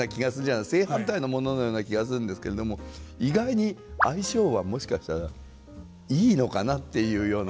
正反対のもののような気がするんですけれども意外に相性はもしかしたらイイのかなっていうような。